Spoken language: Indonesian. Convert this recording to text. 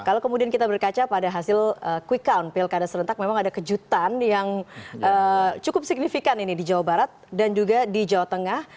kalau kemudian kita berkaca pada hasil quick count pilkada serentak memang ada kejutan yang cukup signifikan ini di jawa barat dan juga di jawa tengah